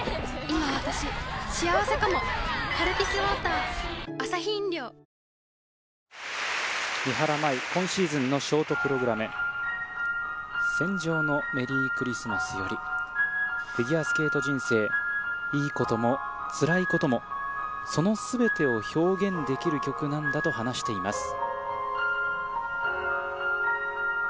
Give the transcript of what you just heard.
今シーズンのショートプログラム「戦場のメリークリスマス」よりフィギュアスケート人生いいこともつらいこともその全てを表現できる曲なんだと話しています